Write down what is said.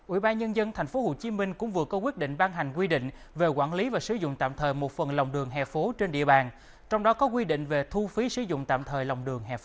ủy ban nhân dân tp hcm cũng vừa có quyết định ban hành quy định về quản lý và sử dụng tạm thời một phần lòng đường hè phố trên địa bàn trong đó có quy định về thu phí sử dụng tạm thời lòng đường hè phố